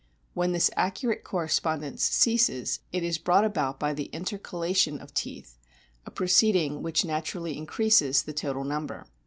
When this accurate cor respondence ceases it is brought about by the inter calation of teeth a proceeding which naturally increases the total number.